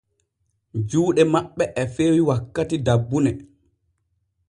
Juuɗe maɓɓ e feewi wakkati dabbune.